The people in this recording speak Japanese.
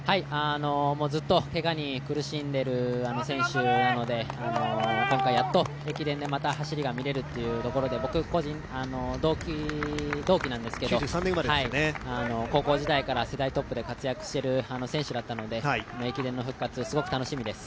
ずっとけがに苦しんでる選手なので今回やっと駅伝でまた走りが見られるというところで僕、同期なんですけど、高校時代から世代トップで活躍している選手だったので、駅伝の復活、すごく楽しみです。